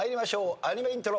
アニメイントロ。